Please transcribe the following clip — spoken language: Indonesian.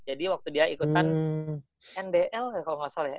jadi waktu dia ikutan nbl ya kalau nggak salah ya